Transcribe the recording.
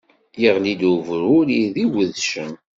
Iɣli-d ubruri d iwedcen.